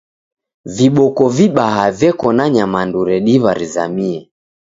Viboko vibaha veko na nyamandu rediw'a rizamie.